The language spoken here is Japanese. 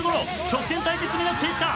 直線対決になっていった。